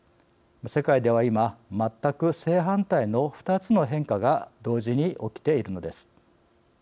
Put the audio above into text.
世界では今全く正反対の２つの変化が同時に起きているのです。